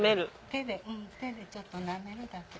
手でちょっと舐めるだけ。